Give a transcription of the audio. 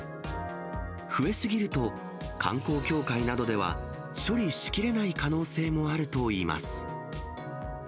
増え過ぎると、観光協会などでは処理し切れない可能性もあるといいます。